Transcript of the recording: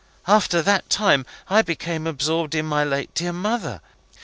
After that time I became absorbed in my late dear mother.